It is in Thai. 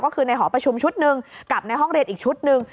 ก็คือในหอประชุมชุดหนึ่งกับในห้องเรียนอีกชุดหนึ่ง